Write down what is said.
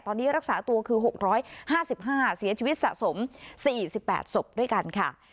ตอนนี้รักษาตัวคือ๖๕๕เสียชีวิตสะสม๔๘ศพด้วยกันค่ะ